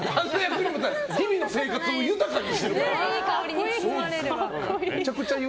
日々の生活を豊かにしてるから！